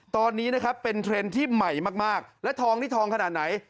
ตอนนี้นะครับเป็นเทรนด์ที่ใหม่มากและทองนี่ทองขนาดไหน